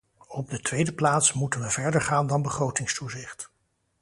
Op de tweede plaats moeten we verder gaan dan begrotingstoezicht.